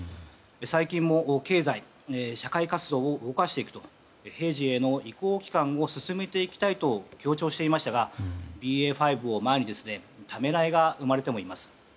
最近も経済・社会活動を動かしていくと平時への移行期間を進めていきたいと強調していましたがＢＡ．５を前にためらいが生まれてもいます。